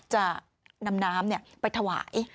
จะนำน้ำไปถวาย